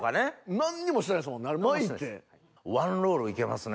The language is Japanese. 何にもしてないですもんね